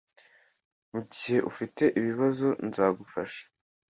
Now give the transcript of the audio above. Mugihe ufite ibibazo nzagufasha